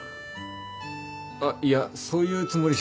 あっいやそういうつもりじゃ。